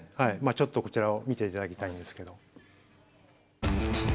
ちょっとこちらを見ていただきたいんですけど。